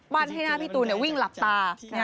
ให้หน้าพี่ตูนวิ่งหลับตา